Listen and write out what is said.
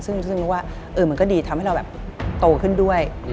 ซึ่งรู้ว่ามันก็ดีทำให้เราแบบโตขึ้นด้วย